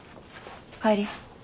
帰り。